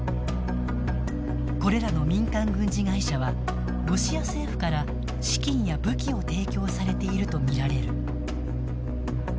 これらの民間軍事会社はロシア政府から、資金や武器を提供されているとみられる。